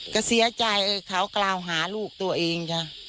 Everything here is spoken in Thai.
ก็เสียใจเขากล่าวหาลูกตัวเองจ้ะ